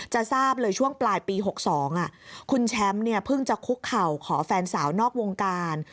จะทราบเลยช่วงปลายปี๖๒คุณแชมป์เนี่ยเพิ่งจะคุกเข่าขอแฟนสาวนอกวงการ